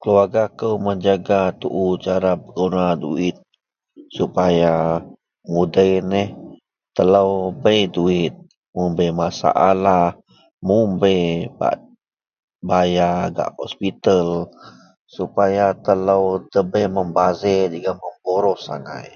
keluarga kou menjaga tuu cara mengguna duwit supaya bak mudei neh telou bei duwit, mun bei masalah mun bei bak bayar gak hospital supaya telou debei membazir jegum memboros agai